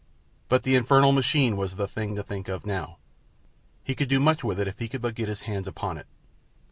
But the infernal machine was the thing to think of now. He could do much with that if he could but get his hands upon it.